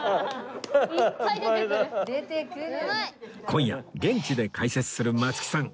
今夜現地で解説する松木さん